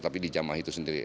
tapi di jamaah itu sendiri